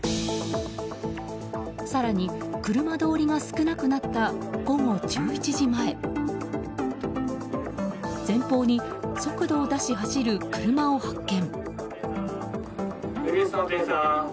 更に、車通りが少なくなった午後１１時前前方に速度を出し走る車を発見。